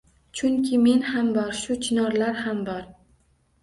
Chunki men ham bor, shu chinorlar ham bor.